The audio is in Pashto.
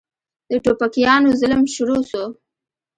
د ټوپکيانو ظلم شروع سو.